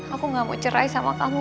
aku gak mau cerai sama kamu